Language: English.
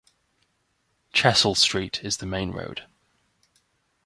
Chessel Street is the main road.